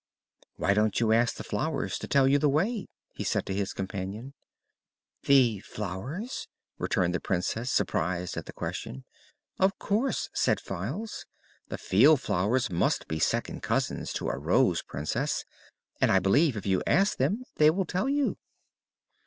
"Why don't you ask the flowers to tell you the way?" he said to his companion. "The flowers?" returned the Princess, surprised at the question. "Of course," said Files. "The field flowers must be second cousins to a Rose Princess, and I believe if you ask them they will tell you."